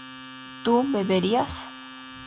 ¿tu beberías?